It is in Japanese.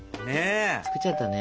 作っちゃったね。